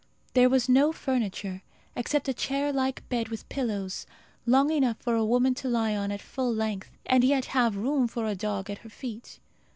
There was no furniture, except a chair bed with pillows, long enough for a woman to lie on at full length, and yet have room for a dog at her feet.